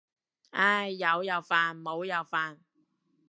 唉，有又煩冇又煩。